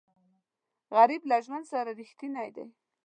غریب له ژوند سره رښتینی دی